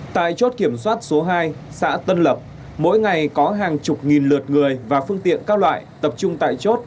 tại chốt kiểm soát số hai xã tân lập mỗi ngày có hàng chục nghìn lượt người và phương tiện các loại tập trung tại chốt